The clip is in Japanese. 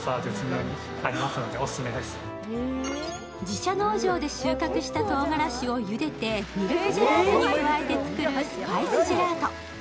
自社農場で収穫したとうがらしをゆでて、ミルクジェラートに加えて作るスパイス・ジェラート。